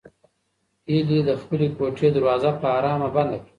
هیلې د خپلې کوټې دروازه په ارامه بنده کړه.